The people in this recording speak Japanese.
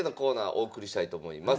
お送りしたいと思います。